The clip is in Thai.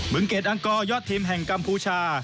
เกรดอังกอร์ยอดทีมแห่งกัมพูชา